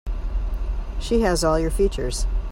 She has all your features.